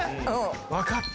分かった！